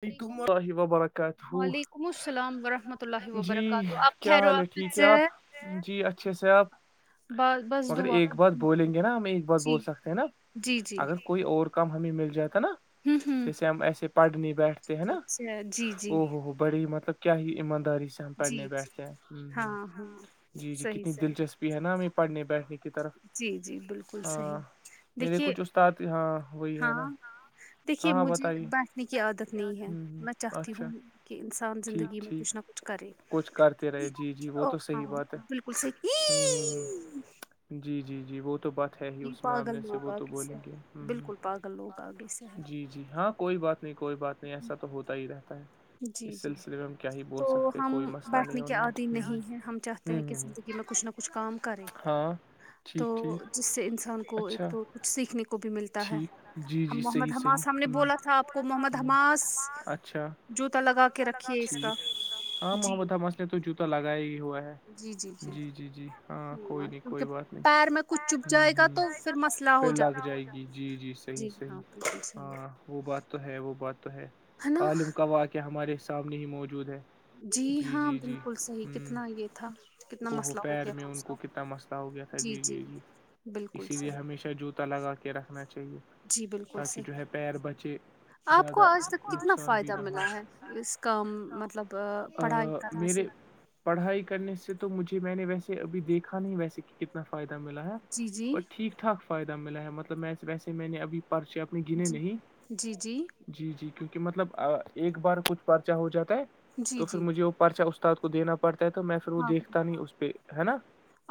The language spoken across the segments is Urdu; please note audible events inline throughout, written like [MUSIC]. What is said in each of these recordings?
نہیں تمح و برکات ہو وم السلام ورحمۃ اللہ جی وبرکاتہ آپ کیا خیر و حال ہے آفیت ٹھیک ہے سے آپ جی اچھے سے آپ با- بس مگر دعا ایک بار بولیں گے نا ہم ایک بار جی بول سکتے ہیں نا جی جی اگر کوئی اور کام ہمیں مل جاتا نا ہوں ہوں جیسے ہم ایسے پڑھ نہیں بیٹھتے ہیں نا اچھا جی جی او ہوو ہو بڑی مطلب کیا ہی این داری سے ہم پڑھنے جی جی بیٹھتے ہیں ہ ہ ہاں ہاں جی جی صحیح کتنی صحیح دلچسپی بھی ہے نا ہمیں پڑھنے بیٹھنے کی طرف جی جی بالکل صحیح ہاں میرے دیکھیے کچھ استاد ہاں وہی ہے نا ہاں دیکھیے ہاں ہاں مجھے بتائیے ہ بیٹھنے کی عادت نہیں ہے ہ میں چاہتی اچھا ہوں کہ انسان زندگی ٹھیک میں ٹھیک کچھ نہ کچھ کرے کچھ کرتے رہے جی جی وہ او تو ہاں صحیح بات بک ہے بالکل سی ہ ہ ہ جی جی جی وہ تو بات ہے ہی اس معامنے پاگل سے لوگ وہ تو آگے سے بولیں گے ہ ہے ہ بالکل پاگل لوگ آگے سے ہے جی- جی ہاں- کوئی بات نہیں کوئی بات نہیں ایسا تو ہوتا ہی رہتا ہے اس جی جی سلسلے میں ہم کیا ہی بول تو سکتے- ہم کوئی مسئلہ نہیں بیٹھنے کے عادی انیں ہ نہیں ہیں ہم چاہتے ہ ہیں کہ ہ ہ زندگی میں کچھ نہ کچھ کام کریں ہاں- تو ٹھیک ٹھیک جس سے انسان کو اچھا ایک تو کچھ سیکھنے کو بھی ملتا ہے ٹھیک جی جی ہم صحیح محمد حماس ہم نے صحیح ہ بولا تھا آپ کو محمد حماس- جوتا لگا کے رکھیے اس کا اچھایک ہاں جی محمد حمس نے تو جوتا لگایا ہی ہوا ہے- جی- جی -جی جی ہاں کوئی ہ نہیں کیونکہ کوئی بات نہیں ہ پیر میں کچھ چپ ہ جائے گا تو پھر مسئلہ- ہو پھر لگ جاتا جائے ہے گی جی- جی صحیح صحیح ہاں بالکل صحیح ہاں- وہ بات تو ہے وہ بات تو ہے عالم کا واقعہ ہمارے سامنے ہی موجود ہے- جی ہاں جی جی بالکل صحیح ہوں کتنا یہ تھا کتنا اوہو مسئلہ ہو پیر گیا میں تھا ان اس کو کا- کتنا مسئلہ ہو گیا تھا جی- جی- جی بالکل اسی لیے صحیح ہمیشہ جوتا لگا کے رکھنا چاہیے- جی بالکل تاکہ صحیح جو ہے پیر بچے- آپ کو زیادہ آج تک کتنا فائدہ ملا ہے اس ہے کا مطلب- پڑھائی کرنی سے پڑھائی کرنے سے تو مجھے میں نے ویسے ابھی دیکھا نہیں ویسے کہ کتنا فائدہ ملا ہے- جی- جی پر ٹھیک ٹھاک فائدہ ملا ہے مطلب ویسے میں نے ابھی پرچے اپنے گنے جی نہیں- جی جی جی- جی کیونکہ مطلب ایک بار کچھ پرچہ ہو جاتا ہے جی تو پھر جی مجھے- پرچا استاد کو دینا پڑتا ہے تو میں پھر وہ ہاں ہاں دیکھتا نہیں اس پہ ہے نا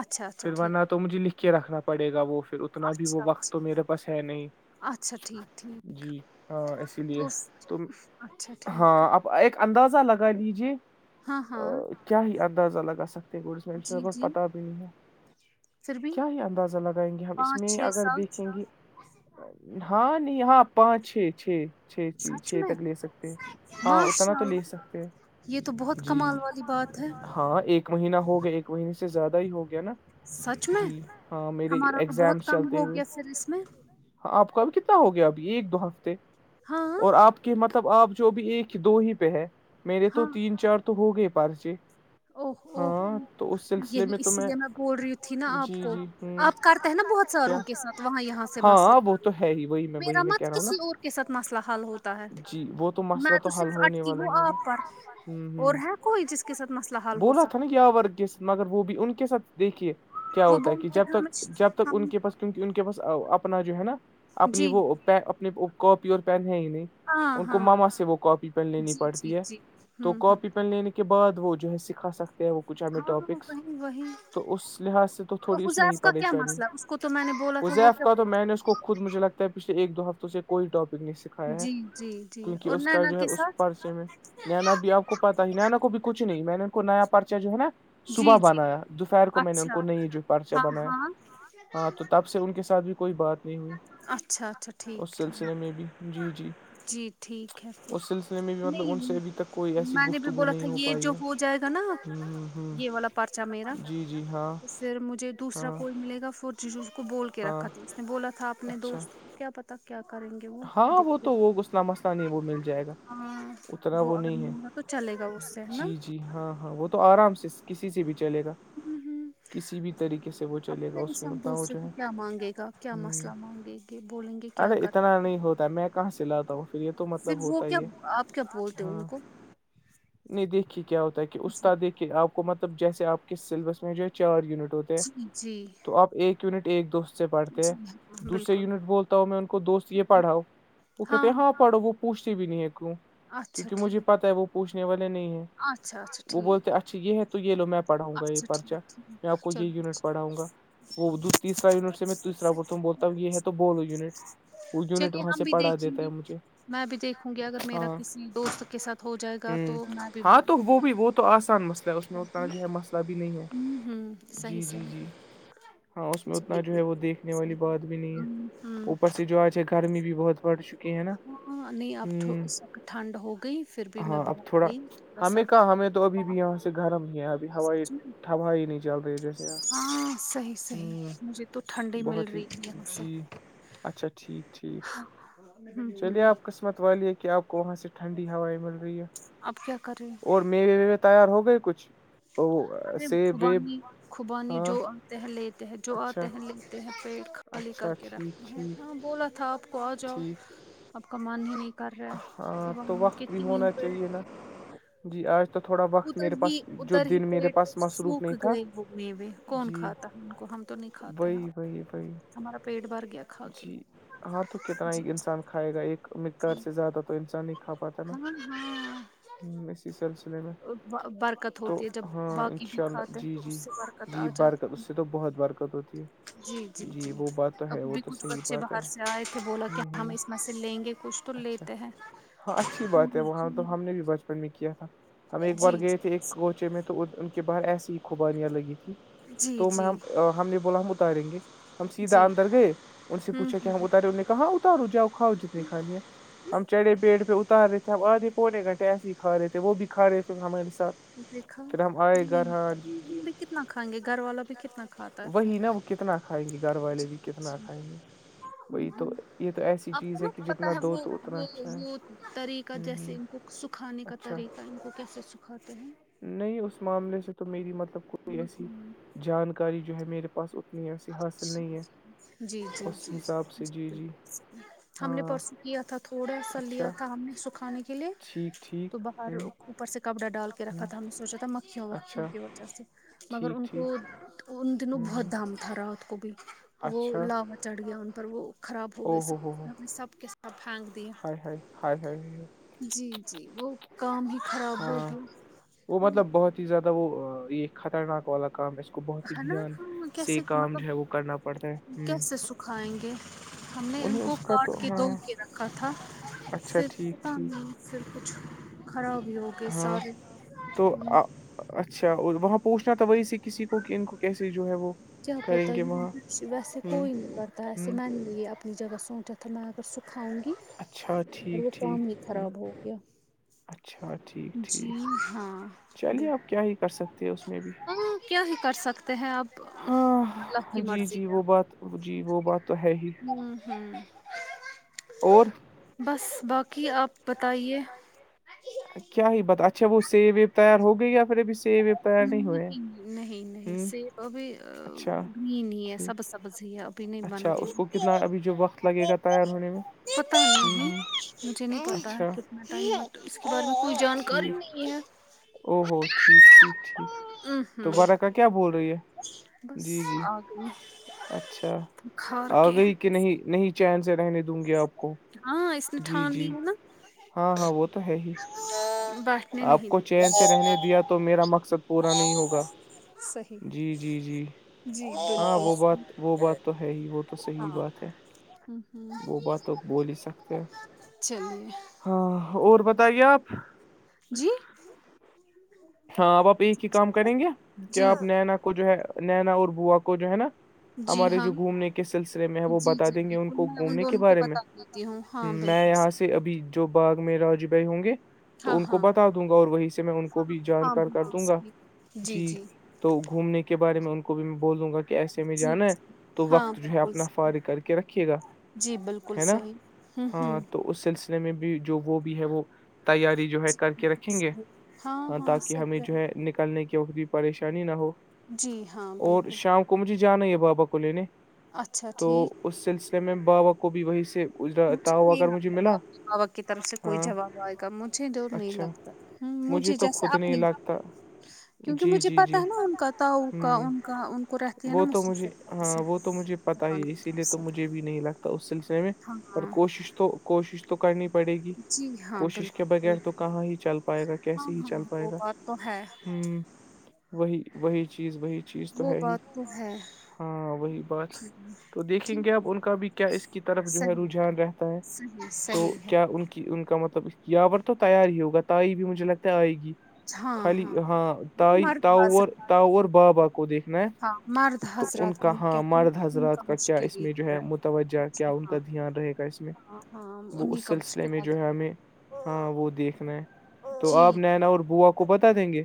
اچھا اچھا پھر ٹھیک ورنہ- تو مجھے لکھ کے رکھنا پڑے گا وہ پھر اتنا بھی اچھا وہ وقت اچھا تو میرے پس ہے نہیں- اچھا ٹھیک ٹھیک جی ہاں اسی لیے تو تو اچھا ٹھیک- ہاں آپ ایک اندازہ لگا لیجیے- ہاں -ہاں کیا ہی اندازہ لگا سکتے جی ہیں جی پتا بھی نہیں ہے پھر بھی کیا ہی اندازہ- م لگائیں گے ہم اس پانچ میں چھ اگر سال دیکھیں گے ہاں نہیں ہاں پانچ ہے چ- چھ چی سچ چھ میں تک لے سکتے ہاں اتنا ماشاء تو لے اللہ سکتے ہیں- یہ تو بہت جی کمال والی بات ہے- ہاں ایک مہینہ ہو گیا ایک مہینے سے زیادہ ہی ہو گیا نا سچ میں جی ہاں میرے ہمارا تو بہت ایگزامس کم چلتے ہو ہوئے گیا پھر اس میں- آپ کا ابھی کتنا ہو گیا ابھی ایک دو ہفتے ہاں اور آپ- کہ مطلب آپ جو بھی ایک ہی دو ہی پہ ہے میرے تو ہاں تین چار تو ہو گئے پرچے- او اوو ہاں تو اس سلسلے یہی میں تو اس لیے میں بول رہی تھی نا جی آپ کو- جی ہوں آپ کرتے ہیں نا بہت کیا ساروں کے ساتھ وہاں یہاں سے مسئلے ہاں وہ تو ہے ہی وہی میں وہی میرا میں مت کہہ رہا ہوں نا کسی اور- کے ساتھ مسئلہ حل ہوتا ہے جی وہ مسئلہ میں تو حل صرف ہونے اٹکی والا ہوں ہی ہے نا آپ پر- ہوں اور ہوں ہے کوئی جس کے سات- بولا تھا نا یا ورگ کے مگر وہ بھی ان کے ساتھ دیکھیے کیا وہ ہوتا ہے کہ بولتے جب ہیں ہم تک جب تک ان ہم کے پاس کیونکہ ان کے پاس اپنا جو ہے نا اپنی جی وہ- پ اپنی کاپی اور پین ہے ہی نہیں- ہاں ان کو ہاں ماما سے وہ کاپی پین لینی جی جی پڑتی ہے جی تو ہوں کاپی ہوں پین لینے کے- کے بعد وہ جو ہے سکھا سکتے- وہ کچھ ہمیں ہاں ٹاپکس وہی وہی تو ا اس لحاظ سے تو تھوڑی اس میں- حذیف کا کیا پریشانی مسئلہ اس کو تو میں نے بولا تھا وہ وزیف کیا کا تو بو- میں اس کو خود مجھے لگتا ہے پچھل ایک دو ہفتوں سے کوئیٹاپک نہیں س- کھایا ہے جی جی جی کیونکہ اور اس کا نینا جو کے ہے اس ساتھ پرچے میں نینا بھی آپ- کو پتا ہی ن ان کو بھی کچھ نہیں میں نے ان کو نیا پرچہ جو ہے نا- صبح جی جی بنایا دوپہر کو میں نے ان اچھا کو نئی جو پرچہ ہاں بنایا- ہاں ہاں تو تب سے ان کے ساتھ بھی کوئی بات- اچھا اچھا ہو ٹھیک اس سلسلے ٹھیک میں بھی جی- جی جی ٹھیک ہے پھر اس سلسلے میں بھی مطلب ان سے نہیں ابھی تک کوئی ایسی میں نے بھی گفتگو بولا نہیں تھا ہو یہ پائی جو ہے ہو جائے گا نا ہ ہ یہ والا پرچہ میرا ہ جی جی ہاں پھر مجھے دوسرا ہاں کوئی ملے گا فور جیز اس کو بول کے ہاں رکھا تھا اس نے بولا تھا اپنے اچھا دوست کیا پتا کیا کریں گے وہ ہاں وہ دیکھو تو وہ غسلہ مسئلہ نہیں وہ مل جائے گا ہاں اتنا وہ اگر نہیں ہے ملے گا تو چلے گا اس سے ہے نا جی جی ہاں ہاں وہ تو آرام سے کسی سے بھی چلے گا ج کسی بھی طریقے سے وہ چلے گا اپنے اس انسان کےتا وہ دوسرے جو کو ہے کیا مانگے گا کیا مسئلہ مانگے گے بولیں گے ہ کیا ارے کر اتنا نہیں ہوتا ہے میں کہاں سے لاتا ہوں پھر یہ تو پھر مطلب وہ ہوتا کیا ہی ہے آپ کیا بولتے ہو ان ہاں کو نہیں دیکھیے کیا ہوتا ہے کہ جی استاد دیک آپ کو مطلب جیسے آپ کے سلیبس میں جو ہے چار یونٹ ہوتے ہیں جی جی جی تو آپ ایک یونٹ ایک دوست سے پڑھتے ہیں ہاں دوسرے بالکل یونٹ بولتا ہوں میں ان کو کو دوست یہ پڑھاؤ وہ کہتے ہاں پڑھو وہ پوچھتے بھی نہیں ہے کیوں اچھا کیونکہ مجھے ٹھیک پتا ہے وہ پوچھنے والے نہیں ہے اچھا اچھا وہ ٹھیک بولتے اچھا یہ ہے تو یہ لو میں پڑھؤں گا یہ اچھا پرچا ٹھیک میں آ ٹھیک کو یہ چلو یونٹ پڑھاؤ گا وہ تیرا یونٹ سے میں اچھا تیسرا بت صحیح بولتا لب یہ ہے تو بولو یونٹ وہ یونٹ چلیے وہاں ہم سے بھی پڑھا دیکھیں دیتا گے ہے مجھے میں بھی دیکھوں گی اگر میرا ہاں کسی دوست کے ساتھ ہو جائے گا ہ تو میں بھی ہاں تو وہ بھی دیکھوں وہ تو آسان مسئلہ ہے اس اس اتنا گی۔ جو ہے مسئلہ بھی نہیں ہے ہوں ہوں صحیح جی جی جی صحیح ہاں اس میں اتنا چلیے جو ہے وہ بالکل دیکھنے والی صحیح بات بھی نہیں ہے ہوں ہوں اپر سے جو چ گرمی بھی بہت بڑھ چکی نا ہاں نہیں اب تو ہ اس وقت ٹھنڈ ہو گئی پھر بھی میں ہاں اب باہر تھوڑا آئی تھوڑا سا ہمیں کہاں ہمیں تو ابھی بھی باہر، یہاں سے گھرم ہی ہے اب سچ میں ہوائیھب ہی نہیں چل رہی جیسے آ ہاں صحیح صحیح ہ مجھے تو ٹھنڈی مل بہت ہی رہی ہے یہاں سے جی اچھا ٹھیک ٹھیک ہوں چلیے ہوں آپ قسمت والی ایک کیا آپ کو وہاں سے ٹھنڈی ہوائیں مل رہی ہے اب کیا کریں اور میرے ویے تیار ہو گئے کچھ تو وہ سیب ویب خبانی خوبانی ہاں جو آتے ہے لیتے ہیں جو اچھا آتے ہیں لکھتے ہیں پیٹ خالی کر اچھا کے ٹھیک رکھتے ہیں ہاں بولا تھا آپ کو آ جاؤ ھم آپ کا من ہی نہیں کر رہا ہے صبح وقت ک بھی ہونا پ چاہیے نا جی آج تو تھوڑا وقت ادر میرے ہی پاس جو ادر ہی دن میرے پیٹ میں پاس مصروف سوکھ نہیں تھا گئے وہ موے کون جی کھاتا ہے ان کو ہم تو نہیں کھاتے ہیں آ وہی وہی وہی ہمارا پیٹ بھر گیا کھا کے جی ہاں تو کتنا جی ہی جی انسان کھائے گا ایک جی سے زیادہ تو انسان ہی کھا پاتا نا ہاں ہاں اسی سلس ب- برکت تو ہوتی ہے جب ہاں ان باقی بھی شاء اللہ کھاتے ہیں جی تو اس جی سے برکت آ جی جاتی برکت ہے۔ اس سے تو بہت برکت کتچی جی جی جی اب بھی کچھ بچے بات ہے باہر سے آئے تھے بولا ہ کہ ہ ہمیں اس مسئ پھر لیں گے کچھ تو اچھا لیتے ہیں ہاں اچھی بات ہے وہاں تو ہم نے بھی بچپن میں کیا تھا ہم ایک بار جی گئے تھے ایک کوچے میں تو ان کے باہر ایسی ہی خوبانیاں لگی تھی جی تو میں جی ہم ہم نے بولا ہم اتاریں گے ہم سیدھا جی اندر گئے ان سے ہوں پوچھا کہ ہم ہوں اتارے انہ نے کہاں اتارو جاؤ کھاؤ جتنی کھانی ہے ہم چڑھے پیڑ پہ اتارے تھے ہم آھے پونے گھنٹے ایسے ہی کھاے تھے وہ بھی کھا رہے تھ ہمارے ساتھ دھا پھر ہم آئے گھر ہاں جی جی بھی کتنا کھائیں گے گھر والا بھی کتنا کھاتا ہے سر وہی نا وہ کتنا کھائیں گے گھر والے بھی کتنا کھائیں گے ہوں وہی تو ہوں یہ تو ایسی آپ چیز کو ہے نا کہ جتنا پتا دو تو وہ اتنا اچھا ہے وہ طریقہ ہوں جیسے ہوں ان کو سکھانے کا اچھا طریقہ ان کو کیسے سکھاتے ہیں نہیں اس معاملے سے تو میری مطلب کوئی ایسی جانکاری جو ہے میرے پاس اتنی ایسی حاصل چ نہیں ہے جی جی اس جی حساب سے جی ہم نے ہاں پرس کیا تھا تھوڑا سا لیا اچھا تھا ہم نے سکھانے کے لیے ٹھیک تو ٹھیک باہر ہ اوپر سے کپڑا ڈال کے رکھا ہ تھا ہم نے سوچا تھا مکھیوں وکھیوں اچھا کی وجہ سے مگر ٹھیک ان ٹھیک کو ان دنوں ہ بہت ہ دام تھا رہا اس کو بھی وہ اچھا لاوا چڑھ گیا ان پر وہ خراب ہو گئی سب ہم نے سب کے ساتھ پھینک دیا ہ س ج [UNINTELLIGIBLE] جی جی وہ کام ہی خراب ہاں ہوگی وہ مطلب بہت ہی زیادہ وہ یہ خطرناک والا کام ہے کو بہت ہی ہے نا دھیان ہم سے کیسے کام جو ہے وہ کرنا پڑتا مطلب ہے ہ کیسے سکھائیں گے ہم نے ان انہیں کو اس کا تو کاٹ کے ہاں د کے رکھا تھا اچھا صرف ٹھیک نہیں پھر کچھ خراب بھی ہو ٹھیک گئے ہاں سارے تو آ- اچھا اور وہاں پوچنا تھا وہی سے کسی کو کہ ان کو کیسے جو ہے وہ کیا پتہ کریں گے وہاں ویسے ہ کوئی نہیں پتاہ ایسے ہ تو یہ اپنی جگہ سوچا تھا میں اگر سکھاؤں گی اچھا اور وہ ٹھیک کام ہی ٹھیک ہ خراب ہو گیا اچھا اچھا ٹھیک جی ٹھیک ہاں چلیے بال آپ کیا ہی کر سکتے ہیں اس میں بھی ہاں کیا ہی کر سکتے ہیں اب اللہ کی ہاں جی مرضی جی ہے وہ بات جی وہ بات تو ہے ہی اور بس باقی آپ بتائیے کیا ہی بتا اچھا وہ سیب ویب تیار ہو گئی پھر ابھی سیب ویب تیار ہوئے نہیں نہیں ہ سیف ا بھی اچھا گ نہیں ہی ہے سب س [UNINTELLIGIBLE] ٹھیک بسییا ابھی نہیں بن اچھا گئے اس کو کتنا ابھی جو وقت لگے گا تیار ہونے پتا میں ہ نہیں ہ مجھے نہیں پتا اچھا کتنا ٹائم لگتا اس کے بارے میں کوئی جانکاری ٹھیک نہیں ہے او ہو ٹھیک ٹھیک ٹھیک تو اہم بارہ کا کیا بول رہی ہے بس جی جی آ گئی اچھا بخار آ کے گئی کہ نہیں نہیں چین سے رہنے دوں گی آپ کو ہاں اس نے جی ٹھان جی ہاں ہاں وہ تو ہے ہی بس [UNINTELLIGIBLE] آپ کو چین سے رہنے دیا تو میرا مقصد پورا نہیں ہوگا صحیح جی جی جی جی ہاں بالکل وہ بات وہ بات صحیح تو ہے ہی وہ تو صحیح ہاں بات ہے ہوں ہوں وہ بات تو بول ہی سکتے ہیں چلیے ہاں اور بتائیے آپ جی ہاں آب آپ ایک ہی کام کریں گے جی کیا آپ نینا کو جو ہے نینا اور بوا کو جو ہے نا جی ہمارے ہاں جو گھومنے کے سلسلے میں ہے وہ بتا دیں گے ان کو گھومنے کے بارے میں تی ہوں ہاں میں بالکل یہاں ابھی جو باغ میں راجو بھائی ہوں گے ہاں تو ان کو ہاں بتا دوں گا اور وہیں سے میں ان کو ہاں بھی ہاں کار کر بالکل دوں گا صحیح جی تو گھومنے کے بارے میں ان کو بھی میں بول دوں گا ایسے میں جی جانا ہے جی تو ہاں وقت جو ہے بالکل اپنا صحیح فار کر کے رکھیے گا جی بالکل ہے نا صحیح ہوں ہوں ہاں تو اس سلسلے میں بھی جو وہ بھی ہے وہ تیاری جو ہے کر کے رکھیں گے صحیح ہاں تاکہ ہمیں صحیح جو ہے رہے نکلنے کی بھی پریشانی نہ ہو جی ہاں اور بالکل شام کو کو مجھے جانا ہی ہے بابا کو لینے اچھا تو ٹھیک اس سلسلے میں بابا کو بھی وہی سے اجرتا مجھے ہوا نہیں اگر مجھے لگتا ملا آپ بابا کی طرف سے کوئی ہاں جواب آئے گا مجھے جو نہیں اچھا لگتا ہ مج مجھے چ [UNINTELLIGIBLE] تو خود نہیں لگتا جی مجھے جی پتہ جی ہے نا ان کا تاؤ کا ان کا ان کو رہتی ہے نا وہ تو مجھے مصیبت وہاں ہاں سے وہ تو مجھے پتا دکان ہی کی اسی لیے طرف تو سے مجھے بھی نہیں لگتا اس سلسلے میں پر ہاں کوشش تو کوشش تو کرنی پڑے گی جی ہاں کوشش کے بالکل بغیر تو بالکل کہاں ہی چل پائے گا کیسے ہاں ہی ہاں چل پائے وہ گا بات تو ہے ہوں وہی وہی چیز وہی چی وہ بات تو ہے ہاں وہی بات تو دیکھیں ٹھیک گے آپ ان کا بھی کیا اس کی طرف جو ہے صحیح رجحان رہتا ہے صحیح تو صحیح ہے کیا ان کی ان کا مطلب اس یہاں پر تو تیار ہی ہوگا تائی بھی مجھے لگتا ہے آئے گی خالی ہاں تائی مرد تاؤ حضرات تاؤ اور بابا کو دیکھنا ہے ہاں مرد تو ان حضرات کا میں ہاں کہتی ہوں مرد کہ ان حضرات کا کیا مشکل اس ہی میں جو لگ ہے رہا موتوجہ کیا جی ان کا ہاں دھیان رہے گا اس میں ہاں ہاں وہ انہیں اس کا سلسلے مشکل میں لگ جو ہے ہمیں رہا ہاں ہے وہ دیکھنا ہے تو جی آپ نینا اور بووا کو بتا دیں گے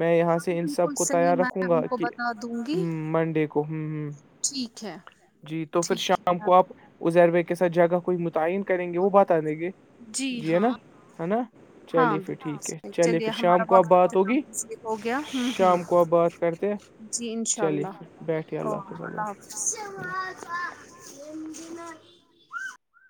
میں یہاں ہاں سے ان سب بالکل کو صحیح تیار میں رکھوں گا ان کو کہ بتا دوں گی منڈے کو ٹھیک ہے جی تو پھر ٹھیک شام ہے کو اب آپ ازیر بھائی کے ساتھ جگہ کوئی متعن کریں گے وہ بتا دیگے جی ہے نا ہے نا بالکل ہاں چالی فٹ بالکل ٹھیک ہے صحیح چلیے پھر ہمارا شام کو آب وقت بات اختتام ہوگی پذیر ہو گیا ہوں ہوں شام کو آب بات کرتے ہیں جی انشاء چلیے اللہ پھر بیٹھیے اللہ او حافظ اللہ حافظ [INAUDIBLE]